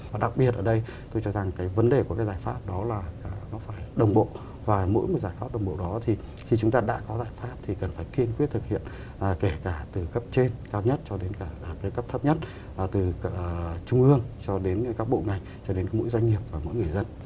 và đặc biệt ở đây tôi cho rằng cái vấn đề của cái giải pháp đó là nó phải đồng bộ và mỗi một giải pháp đồng bộ đó thì khi chúng ta đã có giải pháp thì cần phải kiên quyết thực hiện kể cả từ cấp trên cao nhất cho đến cả cái cấp thấp nhất từ trung ương cho đến các bộ ngành cho đến mỗi doanh nghiệp và mỗi người dân